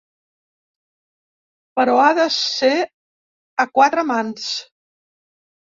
Però ha de ser a quatre mans.